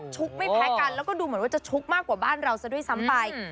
ไม่แพ้กันแล้วก็ดูเหมือนว่าจะชุกมากกว่าบ้านเราซะด้วยซ้ำไป